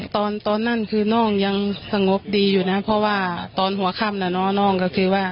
ตอนนั้นคือน้องยังสงบดีอยู่นะเพราะว่าตอนหัวค่ำน้องก็คือว่า